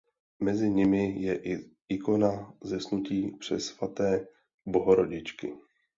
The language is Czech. Mezi nimi je i ikona Zesnutí Přesvaté Bohorodičky.